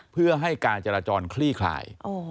เพื่อให้การจราจรคลี่คลาย